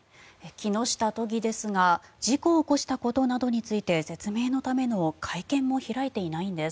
木下都議ですが事故を起こしたことなどについて説明のための会見も開いていないんです。